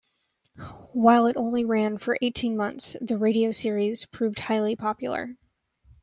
While it only ran for eighteen months, the radio series proved highly popular.